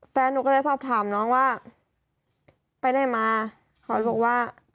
แฟนหนูก็เลยสอบถามน้องว่าไปไหนมาเขาบอกว่า